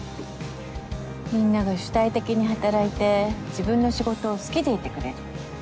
みんなが主体的に働いて自分の仕事を好きでいてくれる。